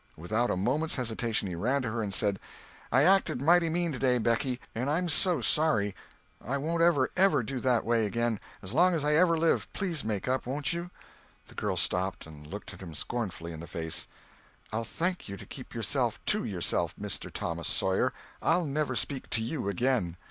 Without a moment's hesitation he ran to her and said: "I acted mighty mean today, Becky, and I'm so sorry. I won't ever, ever do that way again, as long as ever I live—please make up, won't you?" The girl stopped and looked him scornfully in the face: "I'll thank you to keep yourself to yourself, Mr. Thomas Sawyer. I'll never speak to you again."